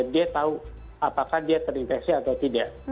dia tahu apakah dia terinfeksi atau tidak